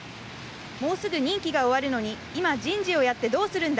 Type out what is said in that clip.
もうすぐ任期が終わるのに今、人事をやってどうするんだ。